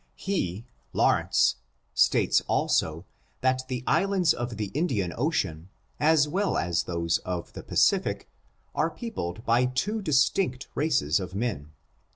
He (Lawrence) states also, that the islands of the Indian Ocean, as well as those of the Pacific, are peo pled by two distinct races of men.